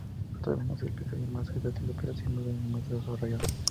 Todavía no es el episodio más divertido, pero sin duda es el más desarrollado.